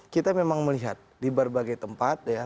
kita memang melihat di berbagai tempat ya